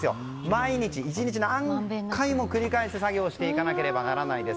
毎日１日何回も繰り返し作業していかなければならないんです。